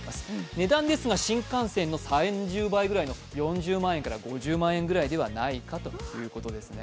値段ですが新幹線の３０倍くらいの４０万円から５０万円ぐらいではないかということですね。